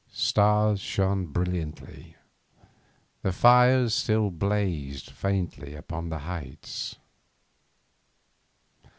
Stars shone brilliantly. The fires still blazed faintly upon the heights.